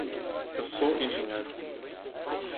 Eu sou engenheiro.